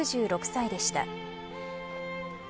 ９６歳でした。